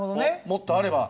もっとあれば。